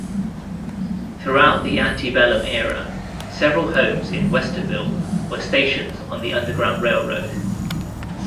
Throughout the Antebellum era, several homes in Westerville were stations on the Underground Railroad.